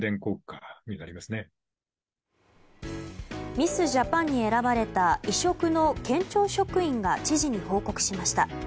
ミスジャパンに選ばれた異色の県庁職員が知事に報告しました。